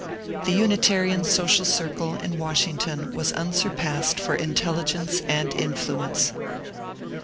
The Unitarian social circle in Wash ington was unsurpassed for intelligence and influence.